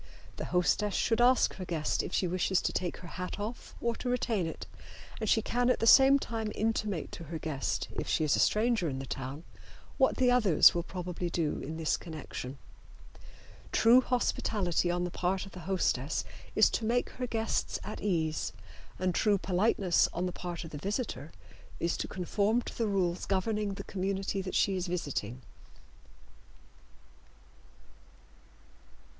The hostess should ask her guest if she wishes to take her hat off or retain it, and she can at the same time intimate to her guest, if she is a stranger in the town, what the others will probably do in this connection. True hospitality on the part of the hostess is to make her guests at ease, and true politeness on the part of the visitor is to conform to the rules governing the community that she is visiting.